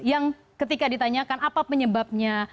yang ketika ditanyakan apa penyebabnya